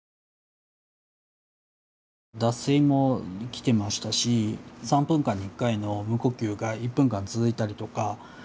脱水もきてましたし３分間に１回の無呼吸が１分間続いたりとか。